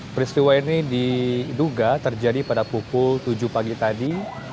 peristiwa ini diduga terjadi pada pukul tujuh pagi tadi